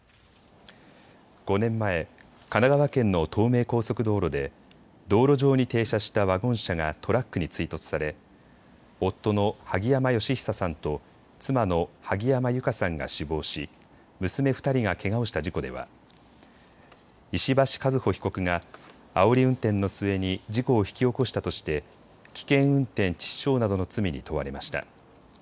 ５年前、神奈川県の東名高速道路で道路上に停車したワゴン車がトラックに追突され夫の萩山嘉久さんと妻の萩山友香さんが死亡し娘２人がけがをした事故では石橋和歩被告があおり運転の末に事故を引き起こしたとして危険運転致死傷などの罪に問われました。